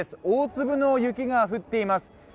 大粒の雪が降っています。